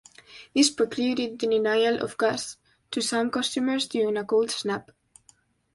This precluded the denial of gas to some customers during a cold snap.